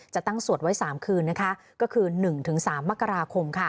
จะตั้งสวดไว้๓คืนก็คือ๑๓มกราคม